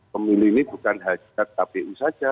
pemilih ini bukan hajat tpu saja